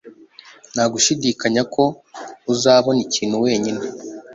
nta gushidikanya ko uzabona ikintu wenyine